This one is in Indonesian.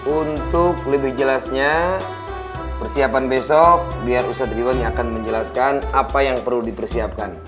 untuk lebih jelasnya persiapan besok biar ustadz riwaya akan menjelaskan apa yang perlu dipersiapkan